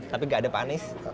tapi tidak ada panis